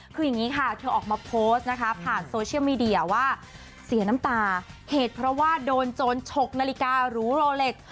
คืออย่างนี้ค่ะเธอออกมาโพสต์นะคะผ่านโซเชียลมีเดียว่าเสียน้ำตาเหตุเพราะว่าโดนโจรฉกนาฬิการูโรเล็ก